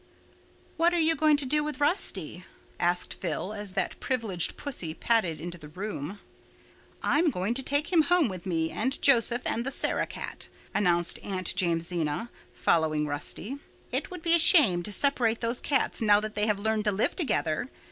"What are you going to do with Rusty?" asked Phil, as that privileged pussy padded into the room. "I am going to take him home with me and Joseph and the Sarah cat," announced Aunt Jamesina, following Rusty. "It would be a shame to separate those cats now that they have learned to live together.